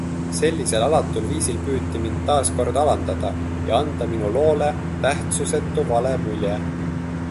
Sellisel alatul viisil püüti mind taas kord alandada ja anda minu loole tähtsusetu vale mulje.